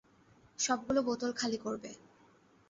সবগুলো বোতল খালি করবে।